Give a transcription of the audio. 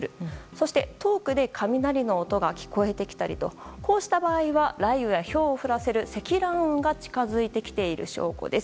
そして、遠くで雷の音が聞こえてきたりとこうした場合は雷雨やひょうを降らせる積乱雲が近づいてきている証拠です。